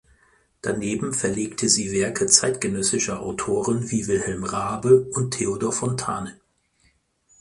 Daneben verlegte sie Werke zeitgenössischer Autoren wie Wilhelm Raabe und Theodor Fontane.